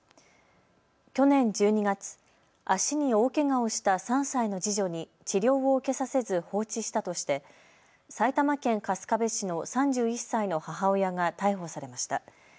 去年１２月、足に大けがをした３歳の次女に治療を受けさせず放置したとして埼玉県春日部市の３１歳の母親が逮捕されました。